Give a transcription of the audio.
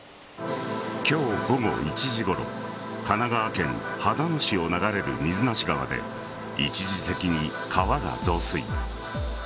今日午後１時ごろ神奈川県秦野市を流れる水無川で一時的に川が増水。